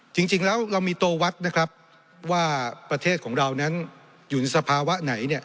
จริงแล้วเรามีตัววัดนะครับว่าประเทศของเรานั้นอยู่ในสภาวะไหนเนี่ย